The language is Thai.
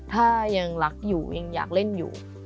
ถ้ายังรักอยู่ยังอยากเล่นอยู่